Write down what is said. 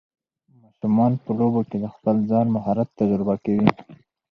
ماشومان په لوبو کې د خپل ځان مهارت تجربه کوي.